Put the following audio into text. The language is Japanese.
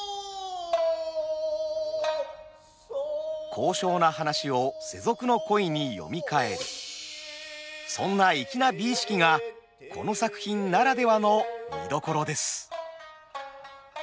高尚な話を世俗の恋に読み替えるそんな粋な美意識がこの作品ならではの見どころです。